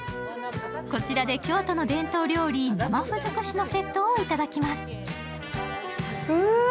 こちらで京都の伝統料理、生麩づくしのセットをいただきます。